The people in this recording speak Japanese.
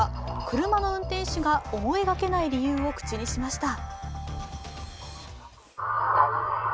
車の運転手が思いがけない理由を口にしました。